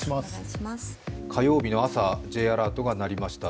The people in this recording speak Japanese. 火曜日の朝、Ｊアラートが鳴りました。